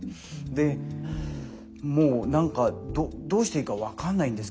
でもう何かどうしていいか分かんないんですけど。